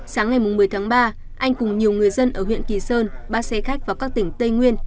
sáng ngày một mươi tháng ba anh cùng nhiều người dân ở huyện kỳ sơn ba xe khách vào các tỉnh tây nguyên